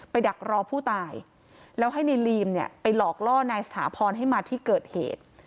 ดักรอผู้ตายแล้วให้ในลีมเนี่ยไปหลอกล่อนายสถาพรให้มาที่เกิดเหตุ